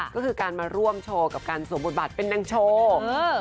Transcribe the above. ก็คือการมาร่วมโชว์กับการสวมบทบาทเป็นนางโชว์